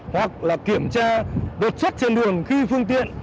hoặc là kiểm tra đột xuất trên đường khi phương tiện